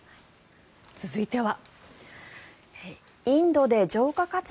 続いては。